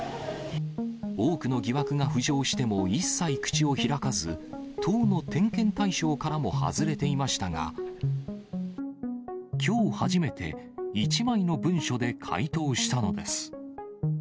多くの疑惑が浮上しても一切口を開かず、党の点検対象からも外れていましたが、きょう初めて、１枚の文書で回答したのです。